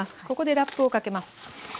ここでラップをかけます。